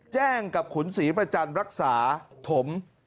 แจ้งกับขุนศรีประจันทร์รักษาถม